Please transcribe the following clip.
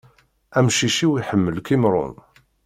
Amcic-iw iḥemmel qimṛun.